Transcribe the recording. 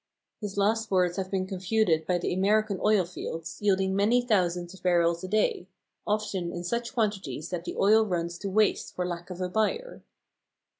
His last words have been confuted by the American oil fields, yielding many thousands of barrels a day often in such quantities that the oil runs to waste for lack of a buyer.